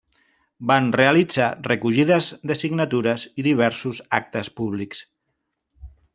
Van realitzar recollides de signatures i diversos actes públics.